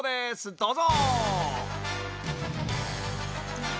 どうぞ！